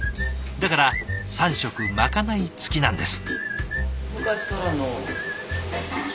だから３食まかない付きなんです。